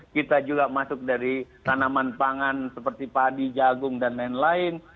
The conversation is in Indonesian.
kita juga masuk dari tanaman pangan seperti padi jagung dan lain lain